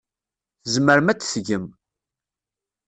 Tzemrem ad t-tgem.